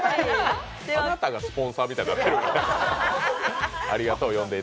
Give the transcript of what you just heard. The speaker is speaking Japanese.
あなたがスポンサーみたいになってる。